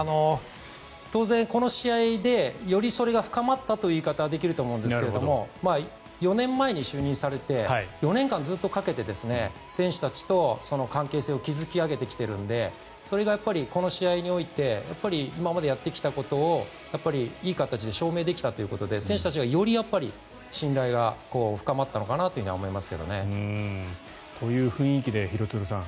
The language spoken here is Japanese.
当然、この試合でよりそれが深まったという言い方ができると思うんですが４年前に就任されて４年間ずっとかけて選手たちと関係性を築き上げてきているのでそれがこの試合において今までやってきたことをいい形で証明できたということで選手たちがより信頼が深まったのかなとは思いますけどね。という雰囲気で廣津留さん